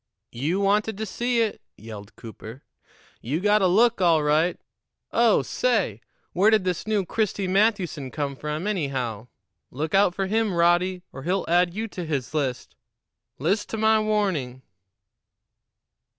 "You wanted to see it," yelled Cooper. "You got a look, all right. Oh, say! Where did this new Christy Mathewson come from, anyhow? Look out for him, Roddy, or he'll add you to his list. List' to my warning."